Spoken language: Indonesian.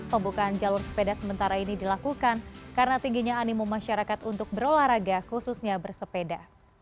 pembukaan jalur sepeda sementara ini dilakukan karena tingginya animum masyarakat untuk berolahraga khususnya bersepeda